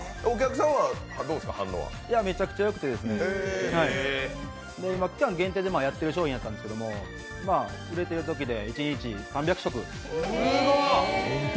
めちゃくちゃ反応がよくて、期間限定でやってる商品だったんですけど、多いときで一日３００食。